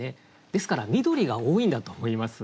ですから緑が多いんだと思います。